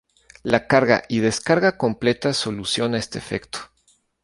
La carga y descarga completa soluciona este efecto.